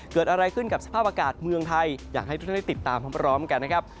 เกิดอะไรขึ้นกับสภาพอากาศเมืองไทยอยากให้ทุกท่านได้ติดตามพร้อมกันนะครับ